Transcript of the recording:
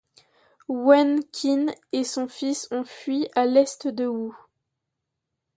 Wen Qin et son fils ont fui à l'Est de Wu.